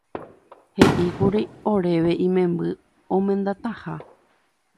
He'íkuri oréve imemby omendataha.